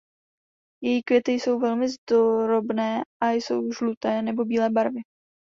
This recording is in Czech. Její květy jsou velmi drobné a jsou žluté nebo bílé barvy.